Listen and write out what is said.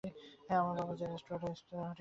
আমার বাবা, Jack Stewart, একজন স্কটিশ ছিলেন।